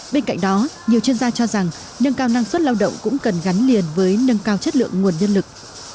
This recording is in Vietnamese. bên cạnh đó nhiều chuyên gia cho rằng nâng cao năng suất lao động cũng cần gắn liền với nâng cao chất lượng nguồn nhân lực